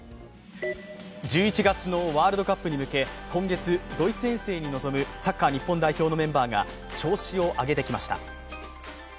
１１月のワールドカップに向け今月、ドイツ遠征に臨むサッカー日本代表のメンバーが調子を上げてきました。